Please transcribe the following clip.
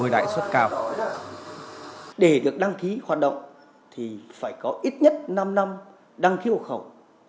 để được đăng ký hoạt động thì phải có ít nhất năm năm đăng ký hộ khẩu